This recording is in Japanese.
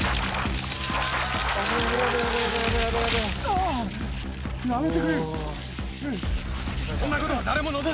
あぁやめてくれ。